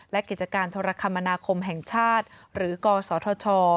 และกิจการโทรคมนาคมแห่งชาติหรือกศธช